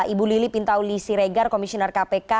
ibu lili pintauli siregar komisioner kpk